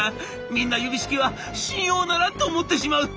みんな指式は信用ならんと思ってしまう」。